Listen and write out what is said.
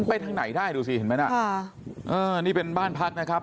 ไปทางไหนได้ดูสินี่เป็นบ้านพักนะครับ